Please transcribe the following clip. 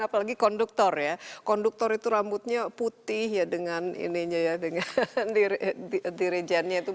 apalagi konduktor ya konduktor itu rambutnya putih ya dengan dirijennya itu